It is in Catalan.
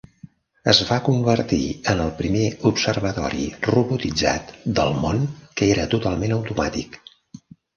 Es va convertir en el primer observatori robotitzat del món que era totalment automàtic.